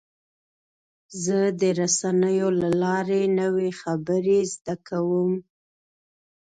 زه د رسنیو له لارې نوې خبرې زده کوم.